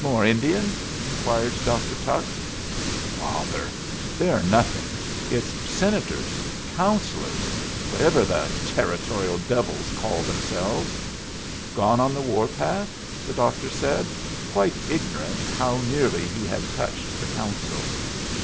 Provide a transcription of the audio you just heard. "More Indians!" inquired Dr. Tuck. "Bother! they're nothing. It's Senators Councillors whatever the Territorial devils call themselves." "Gone on the war path?" the doctor said, quite ignorant how nearly he had touched the Council.